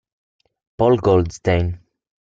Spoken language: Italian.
Paul Goldstein